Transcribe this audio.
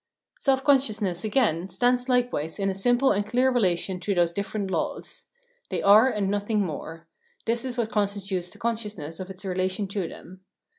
Self consciousness, again, stands likewise in a simple and clear relation to those different laws. They are and nothing more — this is what constitutes the con sciousness of its relation to them.